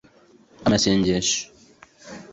amasengesho